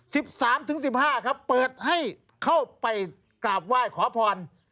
สิบสามถึงสิบห้าครับเปิดให้เข้าไปกราบไหว้ขอพร